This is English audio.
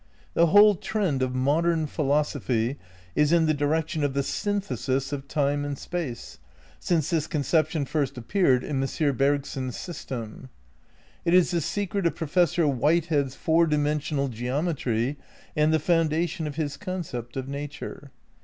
^ The whole trend of modern philosophy is in the direction of the synthe sis of Time and Space since this conception first ap peared in M. Bergson's system. It is the secret of Professor "Whitehead's four dimensional geometry and the foundation of his concept of nature.